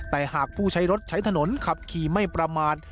แต่หากผู้ใช้รถใช้ถนนขับขี่ไม่ประมาท